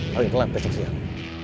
paling telat besok siang